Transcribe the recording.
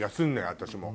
私も。